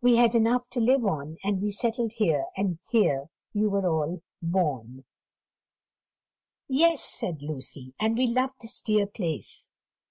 We had enough to live on, and we settled here, and here you were all born." "Yes," said Lucy, "and we love this dear place.